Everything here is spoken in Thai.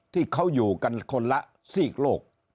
ที่เขาอยู่กันคนละซีกโลก